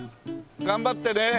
頑張ってね。